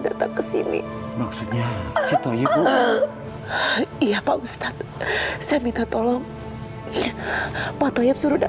tidak ada kuasa dan upaya